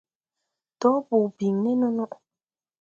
Dɔɔ bɔɔ biŋni nono.